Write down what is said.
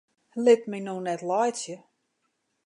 Lit my no net laitsje!